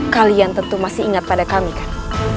kalian tentu masih ingat pada kami kan